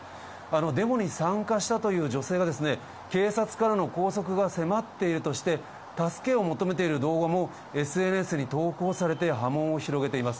デモに参加したという女性が、警察からの拘束が迫っているとして、助けを求めている動画も、ＳＮＳに投稿されて、波紋を広げています。